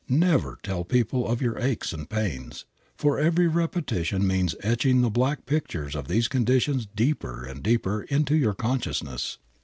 Never tell people of your aches and pains, for every repetition means etching the black pictures of these conditions deeper and deeper into your consciousness.